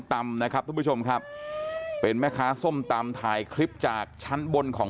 ตำนะครับทุกผู้ชมครับเป็นแม่ค้าส้มตำถ่ายคลิปจากชั้นบนของ